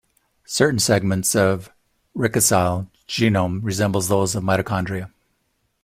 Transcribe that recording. Certain segments of rickettsial genomes resemble those of mitochondria.